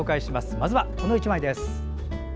まずは、この１枚です。